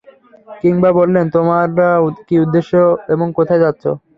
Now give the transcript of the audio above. কিংবা বললেন, তোমরা কি উদ্দেশ্যে এবং কোথায় যাচ্ছো?